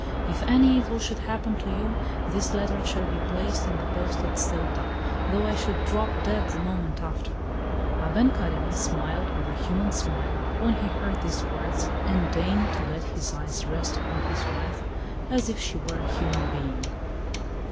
"If any evil should happen to you, this letter shall be placed in the post at Ceuta, though I should drop dead the moment after." Aben Carime smiled with a human smile when he heard these words, and deigned to let his eyes rest upon his wife as if she were a human being.